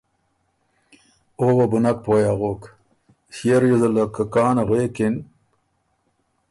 او وه بو نک پویٛ اغوک۔ ݭيې ریوزه له که کان غوېکِن